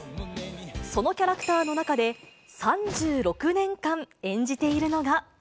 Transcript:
そのキャラクターの中で、３６年間演じているのが。